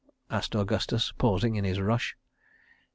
asked Augustus, pausing in his rush.